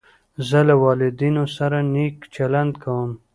زه له والدینو سره نېک چلند کوم.